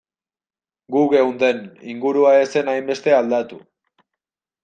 Gu geunden, ingurua ez zen hainbeste aldatu.